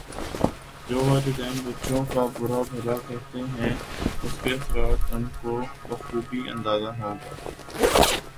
جو والدین بچوں کا برا بھلا کہتے ہیں اسکے اثرات کا انکو بخوبی اندازہ ہو گا